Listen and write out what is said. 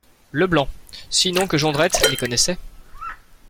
Leblanc, sinon que Jondrette les connaissait.